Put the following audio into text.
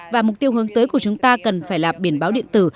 và mục tiêu hướng tới của chúng ta cần phải là biển báo điện tử